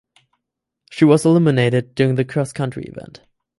She was eliminated during the cross country event.